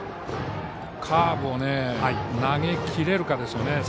カーブを投げきれるかですね。